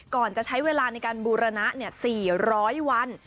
ก่อนจะใช้เวลาในการบูรณะ๔๐๐วัน